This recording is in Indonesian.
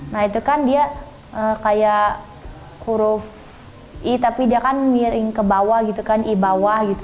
nah itu kan dia kayak huruf i tapi dia kan miring ke bawah gitu kan i bawah gitu